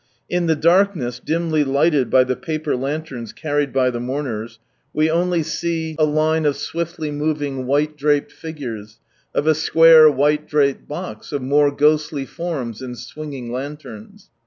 In the darkness dimly lighted by the paper lanterns carried by the mourners, we only see a line of swiftly moving, white draped figures, of a square white draped box, of more ghostly forms and swinging lanterns.